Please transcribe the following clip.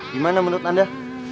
gimana menurut anda